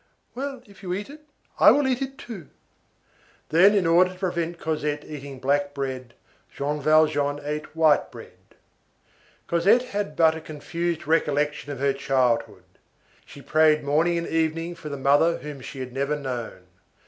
"Well, if you eat it, I will eat it too." Then, in order to prevent Cosette eating black bread, Jean Valjean ate white bread. Cosette had but a confused recollection of her childhood. She prayed morning and evening for her mother whom she had never known.